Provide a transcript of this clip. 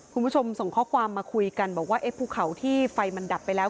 คุณผู้ชมส่งข้อความมาคุยกันบอกว่าเอ๊ะภูเขาที่ไฟมันดับไปแล้ว